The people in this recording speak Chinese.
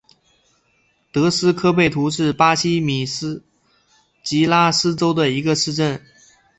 德斯科贝图是巴西米纳斯吉拉斯州的一个市镇。